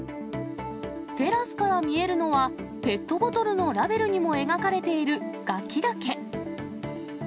テラスから見えるのは、ペットボトルのラベルにも描かれている餓鬼岳。